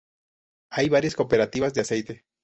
Hay varias cooperativas de aceite.